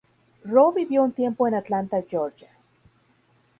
Rowe vivió un tiempo en Atlanta, Georgia.